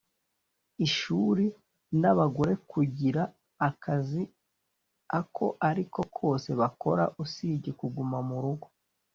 ishuri n abagore kugira akazi ako ari ko kose bakora usibye kuguma mu murugo